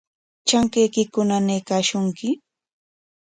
¿Trankaykiku nanaykashunki?